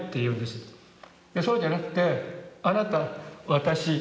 そうじゃなくてあなた私。